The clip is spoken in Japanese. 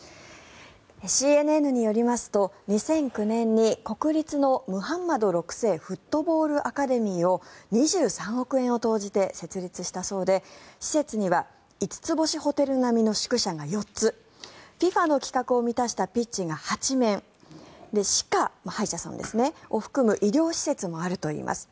ＣＮＮによりますと２００９年に国立のムハンマド６世フットボールアカデミーを２３億円を投じて設立したそうで施設には５つ星ホテル並みの宿舎が４つＦＩＦＡの規格を満たしたピッチが８面歯科、歯医者さんを含む医療施設もあるといいます。